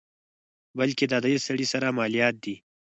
بلکې دا د سړي سر مالیات دي.